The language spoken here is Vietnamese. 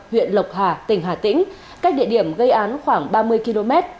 huyện lộc hà tỉnh hà tĩnh cách địa điểm gây án khoảng ba mươi km